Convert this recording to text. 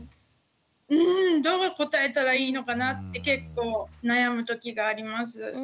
うんどう答えたらいいのかなって結構悩む時があります。